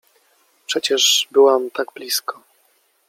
— Przecież byłam tak blisko!